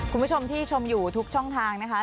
คุณผู้ชมที่ชมอยู่ทุกช่องทางนะคะ